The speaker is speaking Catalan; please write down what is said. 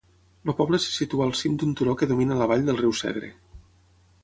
El poble se situa al cim d'un turó que domina la vall del riu Segre.